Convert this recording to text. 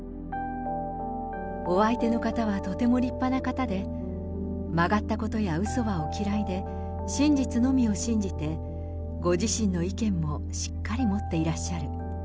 お相手の方はとても立派な方で、曲がったことやうそはお嫌いで、真実のみを信じて、ご自身の意見もしっかり持っていらっしゃる。